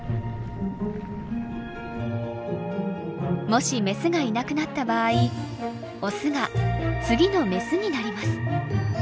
もしメスがいなくなった場合オスが次のメスになります。